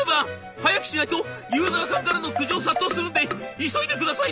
「早くしないとユーザーさんからの苦情殺到するんで急いでくださいね」。